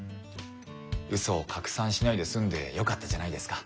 ウソを拡散しないで済んでよかったじゃないですか。